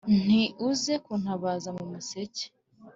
Nti: Uze kuntabaza mu museke,